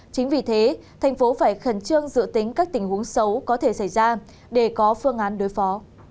chính vì thế thành phố phải khẩn trương dự tính các tình huống xấu có thể xảy ra để có phương án đối phó